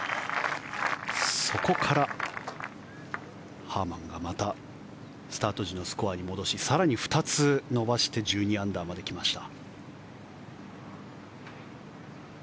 そこからハーマンがまたスタート時のスコアに戻し更に２つ伸ばして１２アンダーまで来ました。